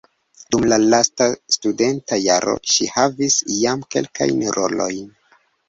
Dum la lasta studenta jaro ŝi havis jam kelkajn rolojn.